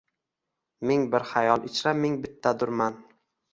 Ming bir xayol ichra ming bittadurman.